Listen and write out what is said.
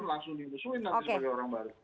mereka akan langsung dimusuhin nanti sebagai orang baru